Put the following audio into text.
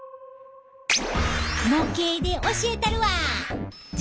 模型で教えたるわ。